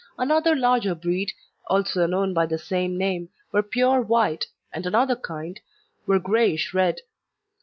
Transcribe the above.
Another larger breed, also known by the same name, were pure white, and another kind were greyish red.